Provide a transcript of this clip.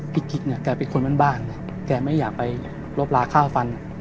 กิ๊กเนี่ยแกเป็นคนบ้านเลยแกไม่อยากไปลบลาค่าฟัน